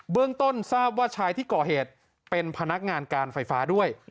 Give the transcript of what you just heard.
เรื่องต้นทราบว่าชายที่ก่อเหตุเป็นพนักงานการไฟฟ้าด้วย